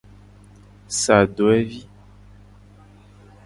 Sa dowevi.